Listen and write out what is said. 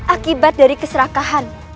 akibat dari keserakahanmu